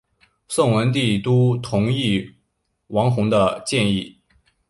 宋文帝都同意王弘的建议。